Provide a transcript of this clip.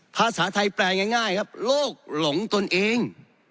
ภาษาไทยแปลง่ายครับโลกหลงตนเอง